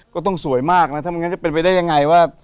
ก็ต้องสวยมากนะถ้าไม่งั้นจะเป็นไปได้ยังไงว่า